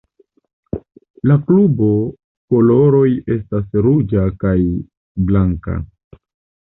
La klubo koloroj estas ruĝa kaj blanka.